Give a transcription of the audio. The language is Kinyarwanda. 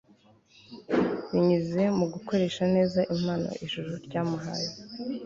binyuze mu gukoresha neza impano ijuru ryamuhaye